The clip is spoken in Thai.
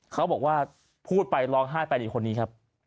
เขาบอกว่าพูดไปร้องไห้ไปดีคนนี้ครับ